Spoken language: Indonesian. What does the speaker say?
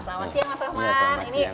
selamat siang mas rahman